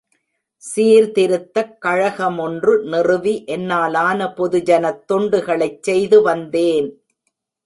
சீர்திருத்தக் கழகமொன்று நிறுவி என்னாலான பொது ஜனத் தொண்டுகளைச் செய்து வந்தேன்.